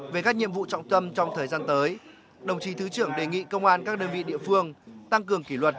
về các nhiệm vụ trọng tâm trong thời gian tới đồng chí thứ trưởng đề nghị công an các đơn vị địa phương tăng cường kỷ luật